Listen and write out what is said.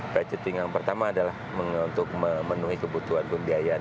budgeting yang pertama adalah untuk memenuhi kebutuhan pembiayaan